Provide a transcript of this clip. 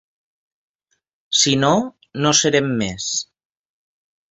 Si no, no serem més.